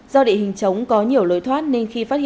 do địa hình chống có nhiều lối thoát